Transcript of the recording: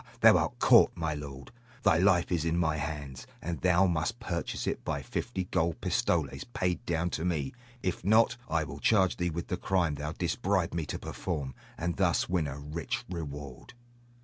thou art caught, my lord. Thy life is in my hands, and thou must purchase it by fifty good pistoles paid down to me; if not, I will charge thee with the crime thou didst bribe me to perform, and thus win a rich reward.